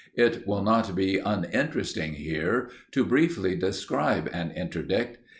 It will not be uninteresting here to briefly describe an interdict.